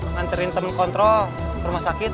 nganterin temen kontrol rumah sakit